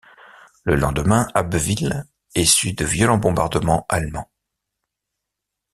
Le lendemain, Abbeville essuie de violents bombardements allemands.